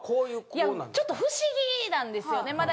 いやちょっと不思議なんですよね。